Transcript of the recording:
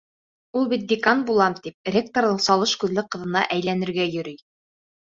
Ул бит декан булам тип ректорҙың салыш күҙле ҡыҙына әйләнергә йөрөй.